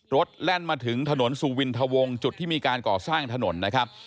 แล่นมาถึงถนนสุวินทวงจุดที่มีการก่อสร้างถนนนะครับ